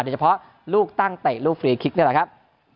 เฉพาะลูกตั้งเตะลูกฟรีคลิกนี่แหละครับ